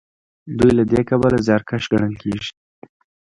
دوی له دې کبله زیارکښ ګڼل کیږي.